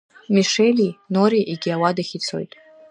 Мишьели Нореи егьи ауадахь ицоит.